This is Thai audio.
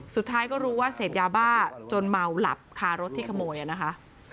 สุดท้ายก็รู้ว่าเสพยาบ้าจนเมาหลับคารถที่ขโมยนะคะ